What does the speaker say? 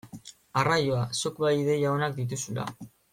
Arraioa, zuk bai ideia onak dituzula!